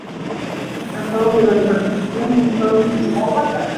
Akawunga nage kambuze.